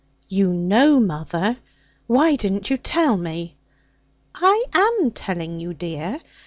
'You know, mother? Why didn't you tell me?' 'I am telling you, dear.